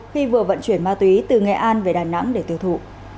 khi vừa vận chuyển ma túy từ nghệ an về đà nẵng để tiêu thụ